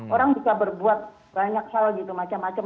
orang bisa berbuat banyak hal gitu macam macam